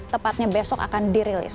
tepatnya besok akan dirilis